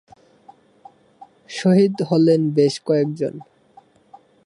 শহীদ হলেন বেশ কয়েকজন।